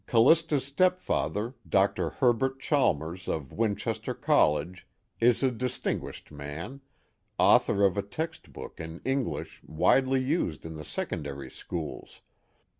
Callista's stepfather Dr. Herbert Chalmers of Winchester College is a distinguished man, author of a textbook in English widely used in the secondary schools.